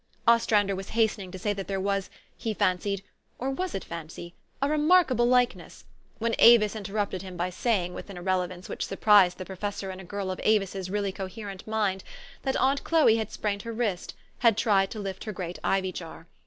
Ostrander was hastening to say that there was, he fancied or was it fancy? a remarkable likeness, when Avis interrupted him by saying, with an irrele vance which surprised the professor in a girl of Avis' s really coherent mind, that aunt Chloe had sprained her wrist ; had tried to lift her great ivy jar.